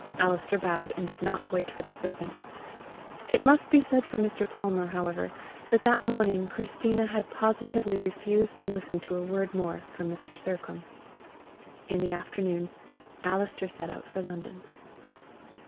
Alister bowed, and did not wait for the servant. It must be said for Mr. Palmer, however, that that morning Christina had positively refused to listen to a word more from Mr. Sercombe. In the afternoon, Alister set out for London.